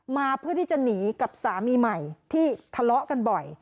มาเพื่อที่จะหนีกับสามีใหม่ที่ทะเลาะกันบ่อย